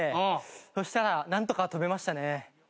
そしたらなんとか跳べましたね。